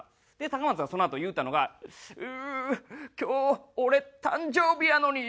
高松がそのあと言ったのが「うう今日俺誕生日やのに」。